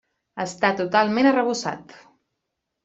Està totalment arrebossat.